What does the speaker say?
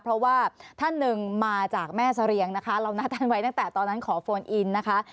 เพราะว่าท่านหนึ่งมาจากแม่เสรียงนะคะเรานัดท่านไว้ตั้งแต่ตอนนั้นขอโฟนอินนะคะ